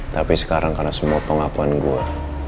tapi sekarang karena semua pengakuan gue